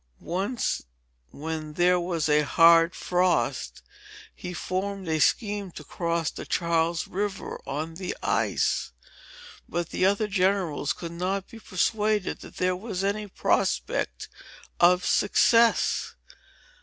Once, when there was a hard frost, he formed a scheme to cross the Charles River on the ice. But the other Generals could not be persuaded that there was any prospect of success."